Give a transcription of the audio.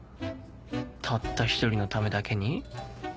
たった１人のためだけに？